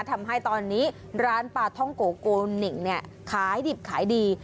ทำให้ตอนนี้ร้านปลาท่องโกโกนิ่งเนี่ยขายดิบขายดี